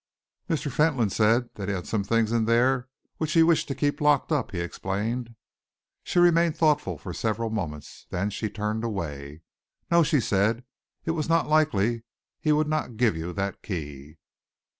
"Mr. Fentolin said that he had some things in there which he wished to keep locked up," he explained. She remained thoughtful for several moments. Then she turned away. "No," she said, "it was not likely he would not give you that key!"